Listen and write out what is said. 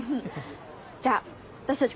じゃあ私たち